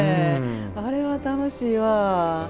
あれは楽しいわあ。